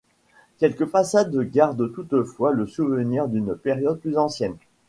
Quelques façades gardent toutefois le souvenir d'une période plus ancienne.